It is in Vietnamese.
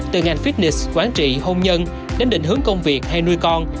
từ ngành fitnice quán trị hôn nhân đến định hướng công việc hay nuôi con